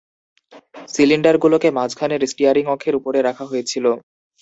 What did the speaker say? সিলিন্ডারগুলোকে মাঝখানের স্টিয়ারিং অক্ষের উপরে রাখা হয়েছিল।